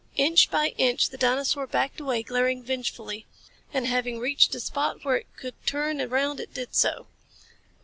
Inch by inch the dinosaur backed away, glaring vengefully. And having reached a spot where it could turn around it did so.